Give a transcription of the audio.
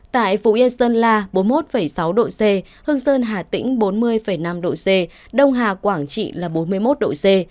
tại phú yên sơn la bốn mươi một sáu độ c hương sơn hà tĩnh bốn mươi năm độ c đông hà quảng trị là bốn mươi một độ c